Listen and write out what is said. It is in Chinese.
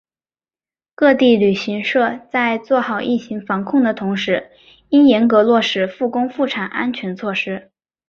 各地旅行社在做好疫情防控的同时应严格落实复工复产安全措施